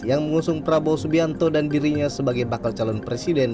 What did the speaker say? yang mengusung prabowo subianto dan dirinya sebagai bakal calon presiden